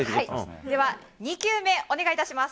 では２球目お願い致します。